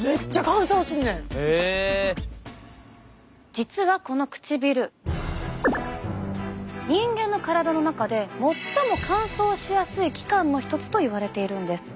実はこの唇人間の体の中で最も乾燥しやすい器官の一つといわれているんです。